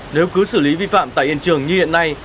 nếu cứ xử lý vi phạm tại hiện trường như hiện nay